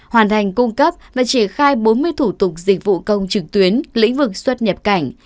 hoàn thành cung cấp và triển khai bốn mươi thủ tục dịch vụ công trực tuyến lĩnh vực xuất nhập cảnh